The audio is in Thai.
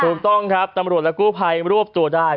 ถูกต้องครับตำรวจและกู้ภัยรวบตัวได้